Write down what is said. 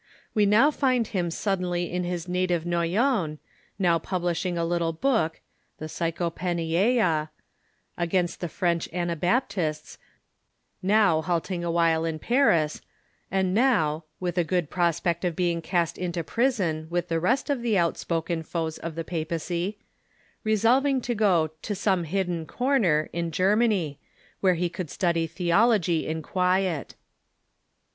We now find him suddenly in his native Noyon, now publishing a little book (the " Psychopannychia") against the French Anabap tists, now halting awhile in Pai'is, and now — with a good pros pect of being cast into prison with the rest of the outspoken foes of the papacy — resolving to go "to some hidden corner" in Germany, where he could study theology in quiet.